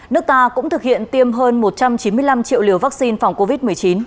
nước ta cũng thực hiện tiêm hơn một trăm chín mươi năm triệu liều vaccine phòng covid một mươi chín